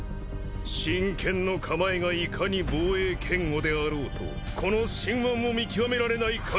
信剣の構えがいかに防衛堅固であろうとこの伸腕を見極められないかぎりかわすことは不可能！